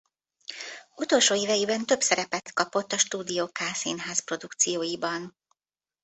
Utolsó éveiben több szerepet kapott a Studió K Színház produkcióiban.